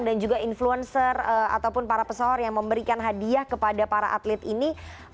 dan juga influencer ataupun para pesahor yang memberikan hadiah kepada para atlet ini